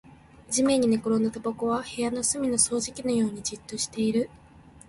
地面に寝転んだタバコは部屋の隅の掃除機のようにじっとしている